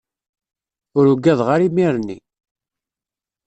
Ur ugadeɣ ara imir-nni.